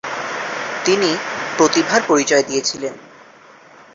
তিনি প্রতিভার পরিচয় দিয়েছিলেন ।